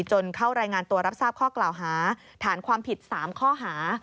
จนเข้ารายงานตัวรับทราบข้อกล่าวหาฐานความผิด๓ข้อหา